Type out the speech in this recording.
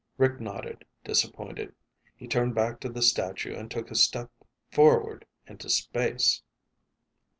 Rick nodded, disappointed. He turned back to the statue and took a step forward into space!